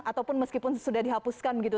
ataupun meskipun sudah dihapuskan gitu